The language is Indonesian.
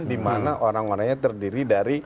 dimana orang orangnya terdiri dari